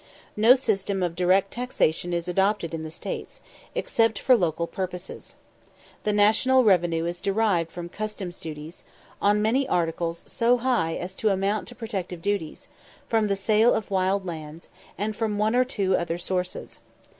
No system of direct taxation is adopted in the States, except for local purposes. The national revenue is derived from customs duties, on many articles so high as to amount to protective duties; from the sale of wild lands; and from one or two other sources.